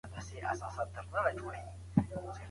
آيا د کتابتونونو وضعيت د ډاډ وړ دی؟